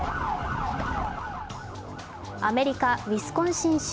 アメリカ・ウィスコンシン州。